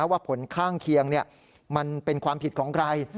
ว่าผลข้างเคียงมันเป็นความผิดของใคร